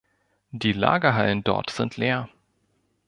Die Lagerhallen dort sind leer.